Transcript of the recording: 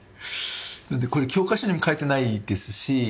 だってこれ教科書にも書いてないですし。